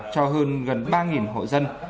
cho hơn gần ba hội dân